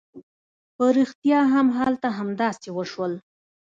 په رښتيا هم هلته همداسې وشول.